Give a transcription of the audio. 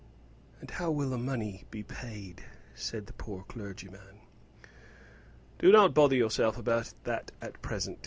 "And how will the money be paid?" said the poor clergyman. "Do not bother yourself about that at present.